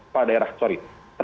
pada daerah sorry